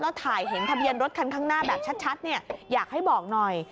แล้วถ่ายเห็นทะเบียนรถคันข้างหน้าแบบชัดเนี่ยอยากให้บอกหน่อย